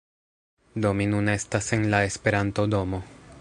Do mi nun estas en la Esperanto-domo